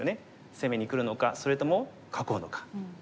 攻めにくるのかそれとも囲うのか。